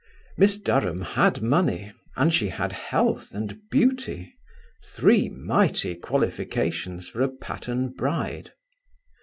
Miss Durham had money, and she had health and beauty: three mighty qualifications for a Patterne bride.